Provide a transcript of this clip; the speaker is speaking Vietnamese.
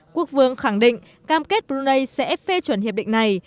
quốc vương khẳng định cam kết brunei sẽ phê chuẩn hiệp định này